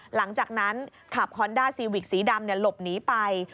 หลังจากนั้นขับฮอนด้าซีวิกสีดำหลบหนีไป